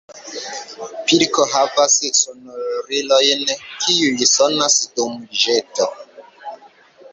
Pilko havas sonorilojn kiuj sonas dum ĵeto.